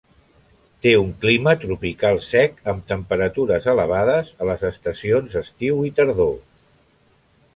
Té un clima Tropical sec amb temperatures elevades a les estacions estiu i tardor.